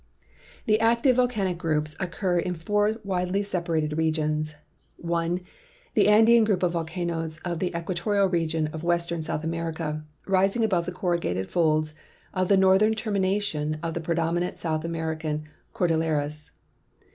The active volcanic groups occur in four widely separated regions; 1. The Andean group of volcanoes of the equatorial region of western South America, rising above the corrugated folds of the northern termination of the predominant South American cordilleras.